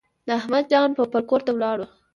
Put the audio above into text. د احمد جان پوپل کور ته ولاړو.